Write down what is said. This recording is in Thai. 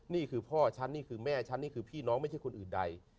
นี่คือพ่อฉันนี่คือแม่ฉันนี่คือพี่น้องไม่ใช่คนอื่นใด